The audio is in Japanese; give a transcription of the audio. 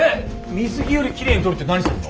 水着よりきれいに撮るって何するの？